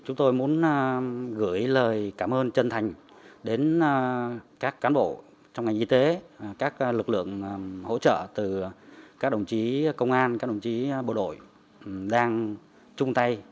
chúng tôi muốn gửi lời cảm ơn chân thành đến các cán bộ trong ngành y tế các lực lượng hỗ trợ từ các đồng chí công an các đồng chí bộ đội đang chung tay